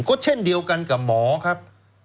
ก็เช่นเดียวกันกับหมอครับ